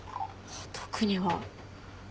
特には。